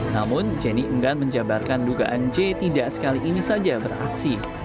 namun jenny enggan menjabarkan dugaan j tidak sekali ini saja beraksi